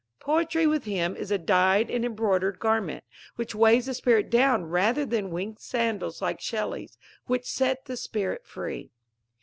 Poetry with him is a dyed and embroidered garment which weighs the spirit down rather than winged sandals like Shelley's, which set the spirit free.